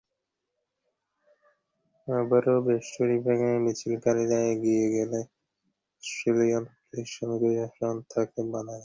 আবারও বেষ্টনী ভেঙে মিছিলকারীরা এগিয়ে গেলে পুলিশ অস্ট্রেলিয়ান হাইকমিশনের সামনে বাধা দেয়।